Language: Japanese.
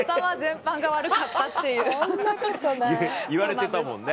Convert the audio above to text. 言われてたもんね。